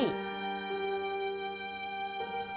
จริง